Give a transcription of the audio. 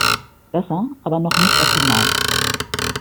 Besser, aber noch nicht optimal.